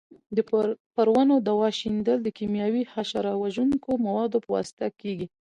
پر ونو دوا شیندل د کېمیاوي حشره وژونکو موادو په واسطه کېږي.